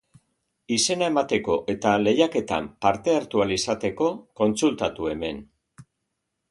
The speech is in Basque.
Izena emateko eta lehiaketan parte hartu ahal izateko, kontsultatu hemen.